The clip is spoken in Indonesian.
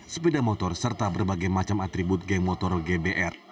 sepeda motor serta berbagai macam atribut geng motor gbr